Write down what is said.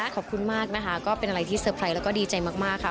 ขอบคุณมากนะคะก็เป็นอะไรที่เตอร์ไพรส์แล้วก็ดีใจมากค่ะ